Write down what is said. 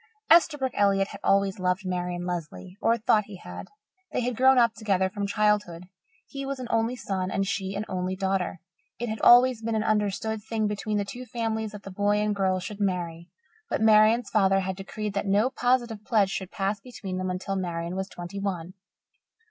Esterbrook Elliott had always loved Marian Lesley or thought he had. They had grown up together from childhood. He was an only son and she an only daughter. It had always been an understood thing between the two families that the boy and girl should marry. But Marian's father had decreed that no positive pledge should pass between them until Marian was twenty one.